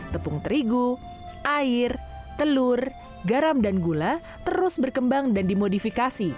tepung terigu air telur garam dan gula terus berkembang dan dimodifikasi